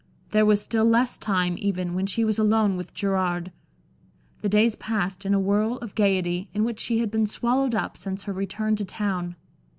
There was still less time, even, when she was alone with Gerard. The days passed in a whirl of gaiety, in which she had been swallowed up since her return to town.